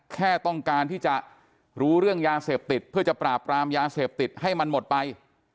แค่ต้องการที่จะรู้เรื่องยาเสพติดเพื่อจะปราบปรามยาเสพติดให้มันหมดไป